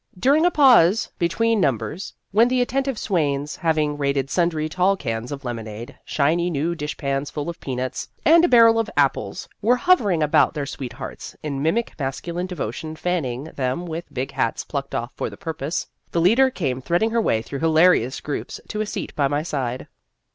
During a pause between num bers, when the attentive swains, having raided sundry tall cans of lemonade, shiny new dish pans full of peanuts, and a bar rel of apples, were hovering about their sweethearts, in mimic masculine devotion fanning them with big hats plucked off for the purpose, the leader came thread ing her way through hilarious groups to a seat at my side.